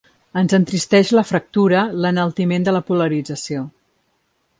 Ens entristeix la fractura, l’enaltiment de la polarització.